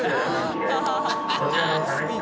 ハハハッ！